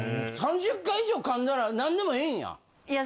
・３０回以上噛んだら何でもええんや？